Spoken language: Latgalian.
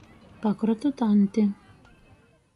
Pakrotu taņti.